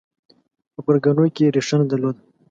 په پرګنو کې ریښه نه درلوده